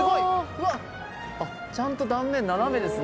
うわ、ちゃんと断面斜めですね。